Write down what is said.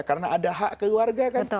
karena ada hak keluarga kan